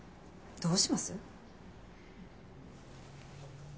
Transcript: どうします？